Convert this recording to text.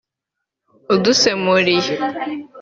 udusemurire